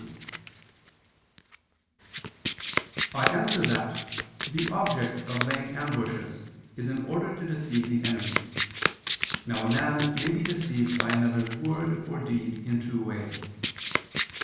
I answer that, The object of laying ambushes is in order to deceive the enemy. Now a man may be deceived by another's word or deed in two ways.